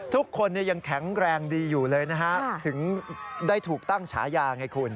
ทุกคนยังแข็งแรงดีอยู่เลยนะฮะถึงได้ถูกตั้งฉายาไงคุณ